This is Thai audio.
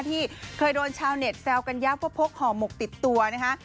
ที่เคยโดนชาวเน็ตแซวกันยับว่าพกห่อหมกติดตัวนะคะ